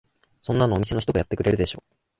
そんなのお店の人がやってくれるでしょ。